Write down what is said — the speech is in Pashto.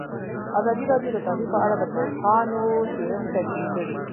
ازادي راډیو د تعلیم په اړه د پوهانو څېړنې تشریح کړې.